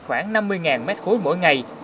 khoảng năm mươi mét khối mỗi ngày